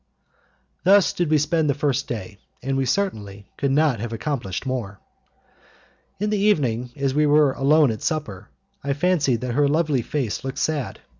Thus did we spend the first day, and we could certainly not have accomplished more. In the evening, as we were alone at supper, I fancied that her lovely face looked sad.